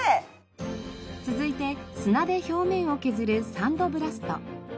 続いて砂で表面を削るサンドブラスト。